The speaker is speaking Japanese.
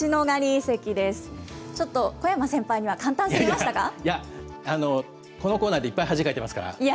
ちょっと、小山先輩には簡単すぎいや、このコーナーでいっぱい恥かいてますから。